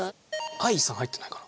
ＡＩさん入ってないかな？